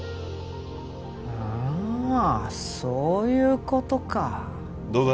ああそういうことかどうだ？